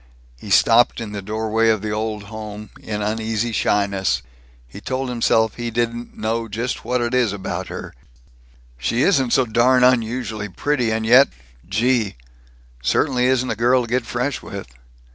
He stopped, in the doorway of the Old Home, in uneasy shyness. He told himself he didn't "know just what it is about her she isn't so darn unusually pretty and yet gee Certainly isn't a girl to get fresh with.